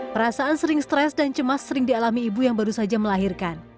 perasaan sering stres dan cemas sering dialami ibu yang baru saja melahirkan